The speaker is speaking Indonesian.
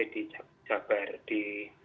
itu adalah dari